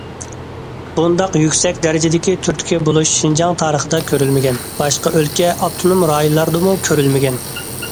بۇنداق يۈكسەك دەرىجىدىكى تۈرتكە بولۇش شىنجاڭ تارىخىدا كۆرۈلمىگەن، باشقا ئۆلكە، ئاپتونوم رايونلاردىمۇ كۆرۈلمىگەن.